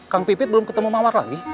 kang pipit belum ketemu mawar lagi